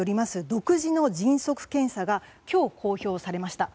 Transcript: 独自の迅速検査が今日、公表されました。